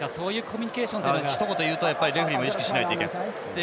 ひと言、言うとレフリーが意識しなければいけない。